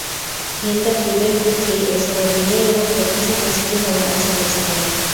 হিন্দার বিবেক-বুদ্ধি এ সময় বিজয় এবং প্রতিশোধ স্পৃহায় আচ্ছন্ন ছিল।